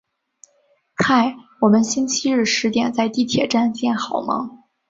嗨，我们星期日十点在地铁站见好吗？